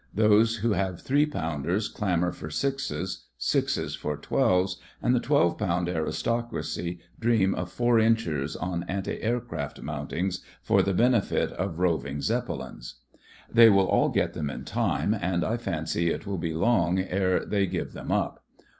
Those who have three pounders clamour for sixes ; sixes for twelves; and the twelve pound aristocracy dream of four inchers on anti aircraft mountings THE FRINGES OF THE FLEET 23 for the benefit of roving Zeppelins. They will all get them in time, and I fancy it will be long ere they give them up.